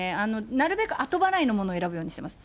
なるべく後払いのものを選ぶようにしてます。